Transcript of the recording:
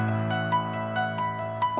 aku mau tidur di rumah